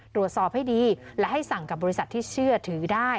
ตรวจสอบให้ดีและให้สั่งกับบริษัทที่เชื่อถือได้